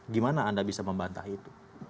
gimana anda bisa membantah itu